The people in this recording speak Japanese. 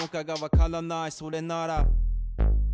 「それなら」